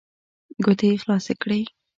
ګوتې يې خلاصې کړې.